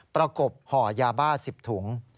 ประกบห่อยาบ้า๑๐ถุง